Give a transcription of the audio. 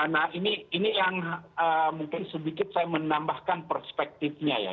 nah ini yang mungkin sedikit saya menambahkan perspektifnya ya